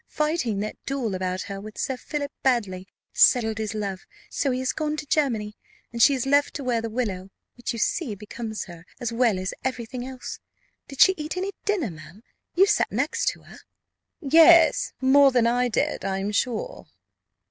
Fighting that duel about her with Sir Philip Baddely settled his love so he is gone to Germany, and she is left to wear the willow, which, you see, becomes her as well as everything else. Did she eat any dinner, ma'am? you sat next her." "Yes; more than I did, I am sure."